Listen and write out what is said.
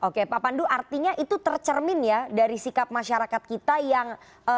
oke pak pandu artinya itu tercermin ya dari sikap masyarakat kita yang